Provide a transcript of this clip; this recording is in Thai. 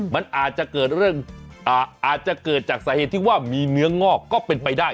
มันอาจจะเกิดเรื่องอาจจะเกิดจากสาเหตุที่ว่ามีเนื้องอกก็เป็นไปได้